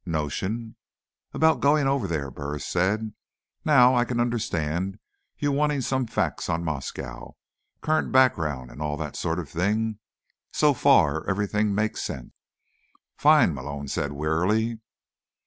"Notion?" "About going over there," Burris said. "Now, I can understand your wanting some facts on Moscow, current background and all that sort of thing. So far, everything makes sense." "Fine," Malone said warily.